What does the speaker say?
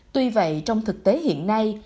tuy vậy trong thực tế hiện nay